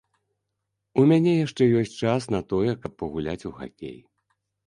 У мяне яшчэ ёсць час на тое, каб пагуляць у хакей.